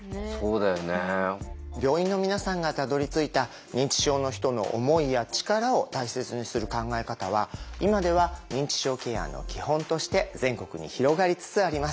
病院の皆さんがたどりついた認知症の人の思いや力を大切にする考え方は今では認知症ケアの基本として全国に広がりつつあります。